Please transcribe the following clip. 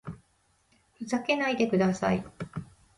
ふざけないでください